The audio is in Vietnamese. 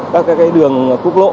các đường cúc lộ